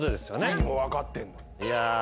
意味も分かってんのに。